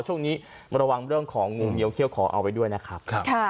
ช่วงนี้ระวังเรื่องของงูเงี้เขี้ยขอเอาไว้ด้วยนะครับ